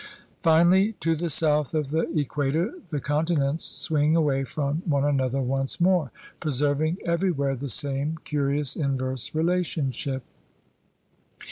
Finally to the south of the equator the conti nents swing away from one another once more, preserving everywhere the same curious inverse relationship.